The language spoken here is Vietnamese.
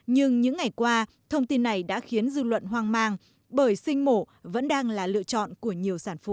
nhưng những ngày qua thông tin này đã khiến dư luận hoang mang bởi sinh mổ vẫn đang là lựa chọn của nhiều sản phụ